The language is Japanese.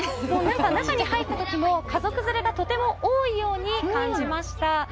中に入った時も家族連れが多いように感じました。